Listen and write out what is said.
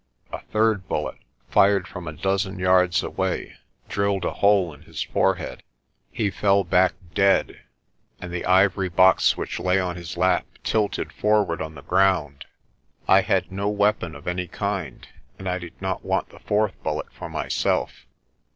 A third bullet, fired from a dozen yards away, drilled a hole in his forehead. He fell back dead, and the ivory box which lay on his lap tilted forward on the ground. I had no weapon of any kind and I did not want the fourth bullet for myself.